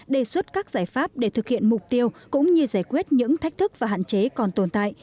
đề xuất các giải pháp để thực hiện mục tiêu cũng như giải quyết những thách thức và hạn chế còn tồn tại